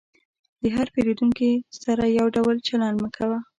د هر پیرودونکي سره یو ډول چلند مه کوه.